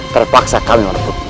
terpaksa kami merebut